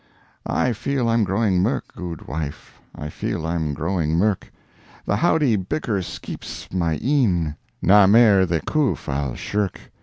I feel I'm growing mirk, gude wife, I feel I'm growing mirk, The howdie bicker skeeps my een— Na mair the coof I'll shirk.